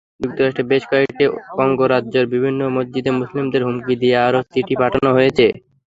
যুক্তরাষ্ট্রে বেশ কয়েকটি অঙ্গরাজ্যের বিভিন্ন মসজিদে মুসলিমদের হুমকি দিয়ে আরও চিঠি পাঠানো হয়েছে।